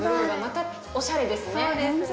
そうですね。